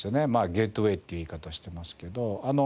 ゲートウェーって言い方してますけど。